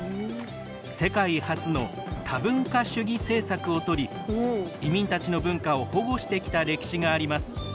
世界初の多文化主義政策をとり移民たちの文化を保護してきた歴史があります。